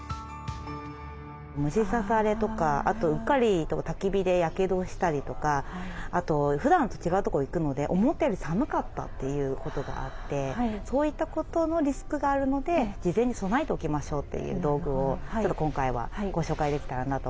虫刺されとかあとうっかりたき火でやけどしたりとかあとふだんと違うとこ行くので思ったより寒かったっていうことがあってそういったことのリスクがあるので事前に備えておきましょうという道具をちょっと今回はご紹介できたらなと思ってます。